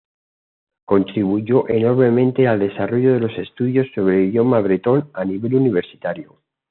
Contribuyó enormemente al desarrollo de los estudios sobre el idioma bretón a nivel universitario.